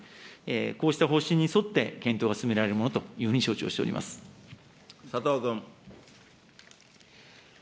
こうした方針に沿って、検討が進められるものというふうに承知をしております。